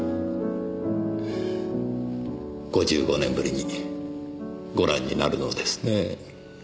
５５年ぶりにご覧になるのですね？